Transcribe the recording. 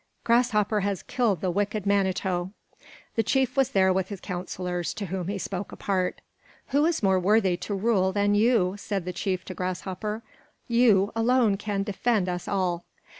Grasshopper has killed the wicked Manito." The chief was there with his counsellors, to whom he spoke apart. "Who is more worthy to rule than you?" said the chief to Grasshopper. "You alone can defend us all."